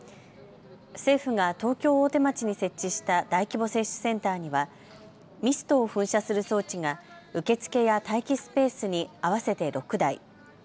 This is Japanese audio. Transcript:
政府が東京大手町に設置した大規模接種センターにはミストを噴射する装置が受付や待機スペースに合わせて６台。